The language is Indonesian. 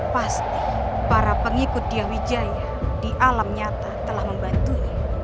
pasti para pengikut diyawijaya di alam nyata telah membantunya